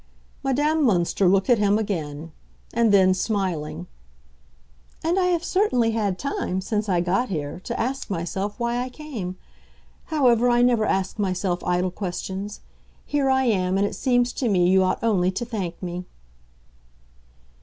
Madame Münster looked at him again; and then, smiling: "And I have certainly had time, since I got here, to ask myself why I came. However, I never ask myself idle questions. Here I am, and it seems to me you ought only to thank me."